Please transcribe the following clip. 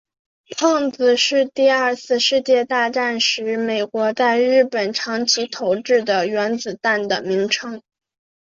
胖子是第二次世界大战时美国在日本长崎投掷的原子弹的名称。